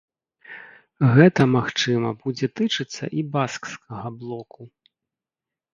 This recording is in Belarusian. Гэта, магчыма, будзе тычыцца і баскскага блоку.